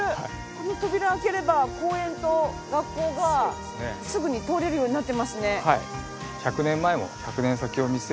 この扉開ければ公園と学校がすぐに通れるようになってますね。